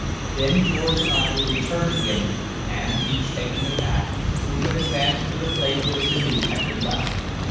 Then George and I would return to him, and, each taking a pack, we would advance to the place where the canoe had been left.